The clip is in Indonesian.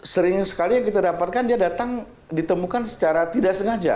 sering sekali yang kita dapatkan dia datang ditemukan secara tidak sengaja